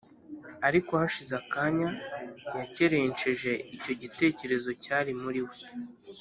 ariko hashize akanya yakerensheje icyo gitekerezo cyari muri we